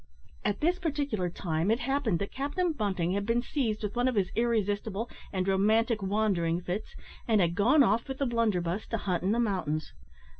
At this particular time, it happened that Captain Bunting had been seized with one of his irresistible and romantic wandering fits, and had gone off with the blunderbuss, to hunt in the mountains.